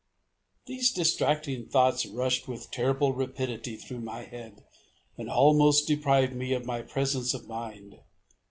These distracting thoughts rushed with terrible rapidity through my head, and almost deprived me of my presence of mind.